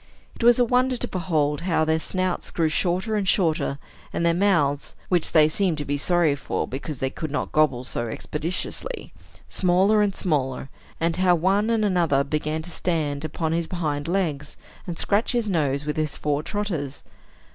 It was a wonder to behold how their snouts grew shorter and shorter, and their mouths (which they seemed to be sorry for, because they could not gobble so expeditiously) smaller and smaller, and how one and another began to stand upon his hind legs, and scratch his nose with his fore trotters.